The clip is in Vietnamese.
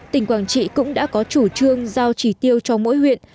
tỉnh quang trị cũng đã có chủ trương giao trì tiêu cho mỗi huyện